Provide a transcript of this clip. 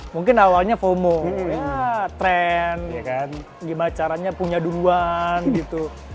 mungkin awalnya fomo ya tren gimana caranya punya duluan gitu